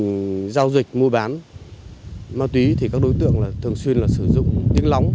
các sim điện tải rác và trong quá trình giao dịch mua bán ma túy thì các đối tượng thường xuyên sử dụng tiếng lóng